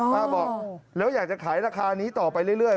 บอกแล้วอยากจะขายราคานี้ต่อไปเรื่อย